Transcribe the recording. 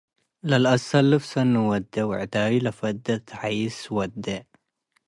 . ለለአሰልፍ ሰኒ ወዴ ወዕዳዩ ለፈዴ ተሐይሰ ወዴ፣